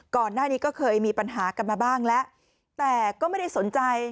ก่อนหน้านี้ก็เคยมีปัญหากันมาบ้างแล้วแต่ก็ไม่ได้สนใจ